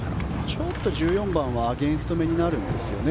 １４番はアゲンストめになるんですよね。